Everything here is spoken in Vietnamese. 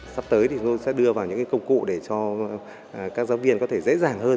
sắp tới thì tôi sẽ đưa vào những công cụ để cho các giáo viên có thể dễ dàng hơn